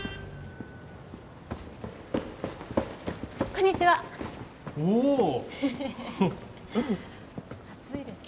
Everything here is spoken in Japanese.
こんにちはおおヘヘヘ暑いですね